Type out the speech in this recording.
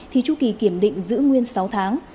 thì chu kỳ kiểm định giữ nguyên sáu tháng